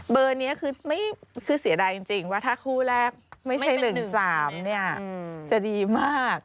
เบอร์นี้คือเสียดายจริงว่าถ้าคู่แรกไม่ใช่๑๓เนี่ยจะดีมาก